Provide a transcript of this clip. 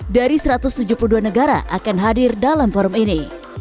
dari satu ratus tujuh puluh dua negara akan hadir dalam forum ini